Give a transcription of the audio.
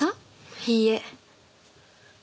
いいえ。